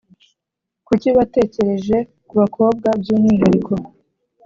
Kuki watekereje ku bakobwa by’umwihariko?